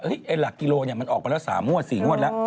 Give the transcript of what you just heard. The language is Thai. ไอ้หลักกิโลมันออกไปแล้ว๓งวด๔งวดแล้ว